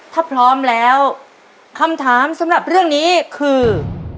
ถ้าพร้อมแล้วคำถามสำหรับเรื่องนี้คือ